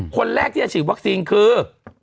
คนแรกที่จะฉีดวัคซีนคือ